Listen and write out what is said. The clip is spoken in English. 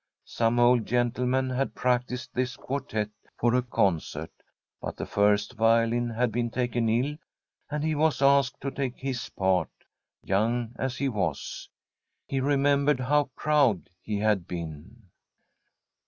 Some old gentlemen had practised this quartette for a concert, but the first violin had been taken ill, and he was asked to take his part, young as he was. He remembered how proud he had been.